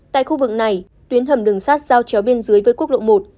tại khu vực này tuyến hầm đường sắt giao chéo bên dưới với quốc lộ một